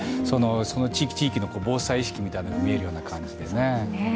その地域地域の防災意識も見えるような感じでね。